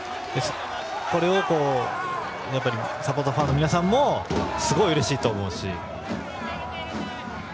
これがサポーター、ファンの皆さんもすごいうれしいと思うし。